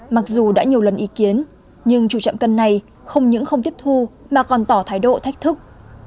mặc dù đã nhiều lần ý kiến nhưng chủ chậm cân này không những không tiếp thu mà còn tỏ thái độ thách thức